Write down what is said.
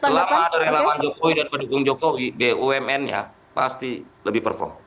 jadi selama ada relawan jokowi dan pendukung jokowi bumn nya pasti lebih perform